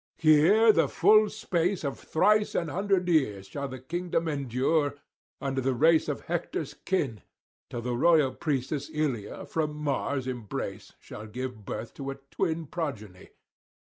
Here the full space of thrice an hundred years shall the kingdom endure under the race of Hector's kin, till the royal priestess Ilia from Mars' embrace shall give birth to a twin progeny.